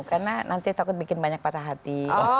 karena nanti takut bikin banyak patah hati